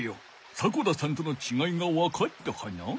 迫田さんとのちがいがわかったかな？